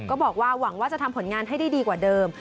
ก็บอกว่าหวังว่าจะทำผลงานให้ได้ดีกว่าเดิม